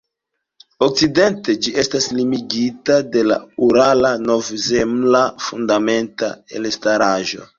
Okcidente ĝi estas limigita de la Urala-Novzemla fundamenta elstaraĵo.